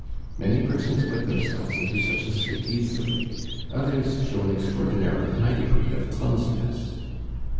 Many persons put themselves into such a state easily; others show an extraordinarily high degree of clumsiness.